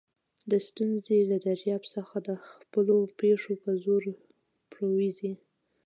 د ستونزي له دریاب څخه د خپلو پښو په زور پورېوځئ!